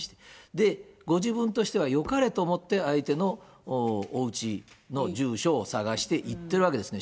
で、ご自分としてはよかれと思って、相手のおうちの住所を探して行ってるわけですね。